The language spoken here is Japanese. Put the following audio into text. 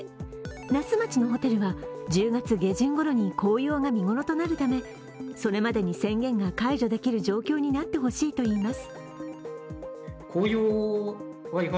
那須町のホテルは１０月下旬ごろに紅葉が見頃となるためそれまでに宣言が解除できる状況になってほしいといいます。